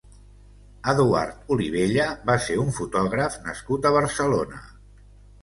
Eduard Olivella va ser un fotògraf nascut a Barcelona.